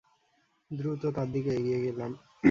দ্রুত তার দিকে এগিয়ে গেলাম।